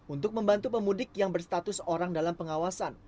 untuk membantu pemudik yang berstatus orang dalam pengawasan